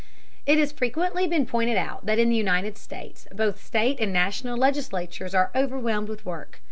It has frequently been pointed out that in the United States both state and National legislatures are overwhelmed with work.